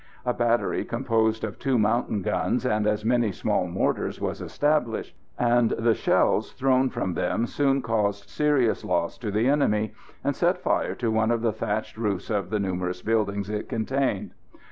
A battery composed of two mountain guns and as many small mortars was established, and the shells thrown from them soon caused serious loss to the enemy, and set fire to one of the thatched roofs of the numerous buildings it contained.